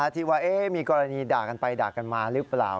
ที่ว่ามีกรณีด่ากันไปด่ากันมาหรือเปล่า